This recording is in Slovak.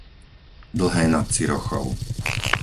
Dlhé nad Cirochou